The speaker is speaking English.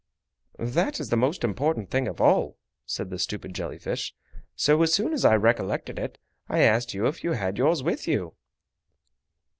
"That is the most important thing of all," said the stupid jelly fish, "so as soon as I recollected it, I asked you if you had yours with you?"